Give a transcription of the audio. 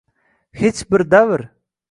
Hech bir davr